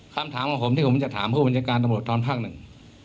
คำถามว่าผมที่ผมจะถามผู้บรรยาการตรวจครั้งภาคหนึ่ง